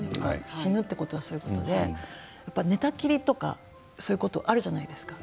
死ぬということはそういうことで寝たきりとか、そういうこともあるじゃないですか。